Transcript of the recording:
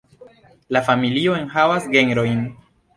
La familio enhavas genrojn.